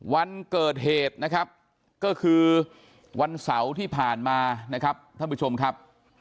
วันเกิดเหตุนะครับก็คือวันเสาร์ที่ผ่านมานะครับท่านผู้ชมครับ